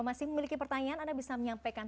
masih memiliki pertanyaan anda bisa menyampaikan